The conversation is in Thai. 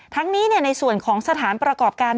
ทั้งนี้ในส่วนของสถานประกอบการ